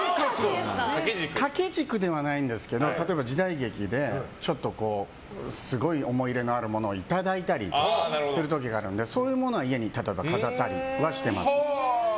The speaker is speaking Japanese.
掛け軸ではないんですけど例えば、時代劇ですごい思い入れのあるものをいただいたりする時があるのでそういうものは家に飾ったりはしています。